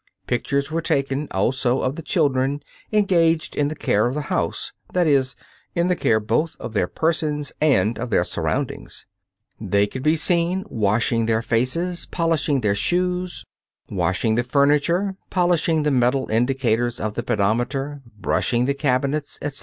Pictures were taken also of the children engaged in the care of the house, that is, in the care both of their persons and of their surroundings. They can be seen washing their faces, polishing their shoes, washing the furniture, polishing the metal indicators of the pedometer, brushing the carpets, etc.